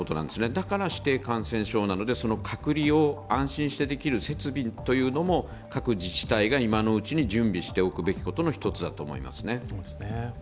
だから指定感染症なので隔離を安心してできる設備というのも各自治体が今のうちに準備しておくべきことの一つだと思いますね。